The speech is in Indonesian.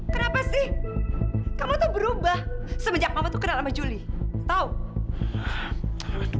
kenapa sih kamu tuh berubah semenjak mama tuh kenal sama julie tahu